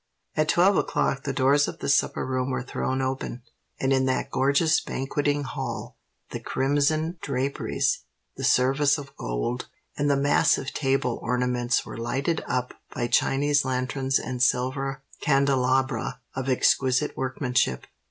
At twelve o'clock the doors of the supper room were thrown open; and in that gorgeous banqueting hall the crimson draperies, the service of gold, and the massive table ornaments were lighted up by Chinese lanterns and silver candelabra of exquisite workmanship.